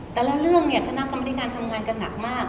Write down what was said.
แต่ละเรื่องเนี่ยคณะกรรมธิการทำงานกันหนักมาก